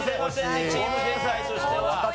チーム全体としては。